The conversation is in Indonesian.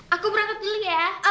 aku berangkat dulu ya